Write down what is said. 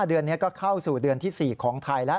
เดือนนี้ก็เข้าสู่เดือนที่๔ของไทยแล้ว